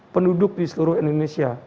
penduduk di seluruh indonesia